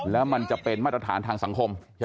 แล้วมันจะเป็นมาตรฐานทางสังคม